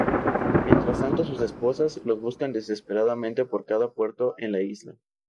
Mientras tanto sus esposas los buscan desesperadamente por cada puerto en la isla.